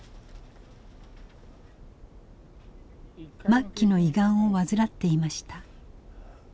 末期の胃がんを患っていました。